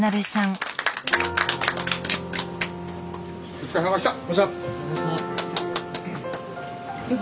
お疲れさまでした！